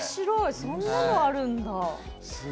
そんなのあるんだ。